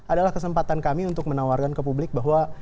adalah kesempatan kami untuk menawarkan ke publik bahwa